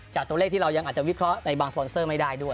ตัวเลขที่เรายังอาจจะวิเคราะห์ในบางสปอนเซอร์ไม่ได้ด้วย